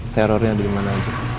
terornya ada dimana aja